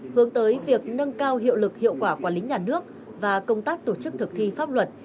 hướng tới việc nâng cao hiệu lực hiệu quả quản lý nhà nước và công tác tổ chức thực thi pháp luật